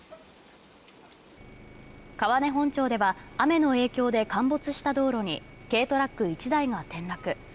川根本町では雨の影響で陥没した道路に軽トラック１台が転落。